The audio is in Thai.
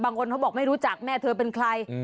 เขาบอกไม่รู้จักแม่เธอเป็นใคร